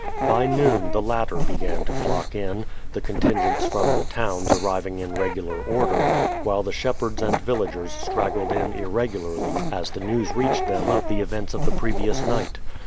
By noon the latter began to flock in, the contingents from the towns arriving in regular order, while the shepherds and villagers straggled in irregularly as the news reached them of the events of the previous night.